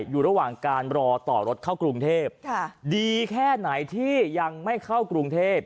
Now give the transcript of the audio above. อยู่ระหว่างการรอต่อรถเข้ากรุงเทพดีแค่ไหนที่ยังไม่เข้ากรุงเทพ